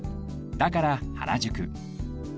だから原宿